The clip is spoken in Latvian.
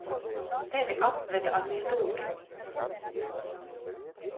Tevi apveda ap stūri.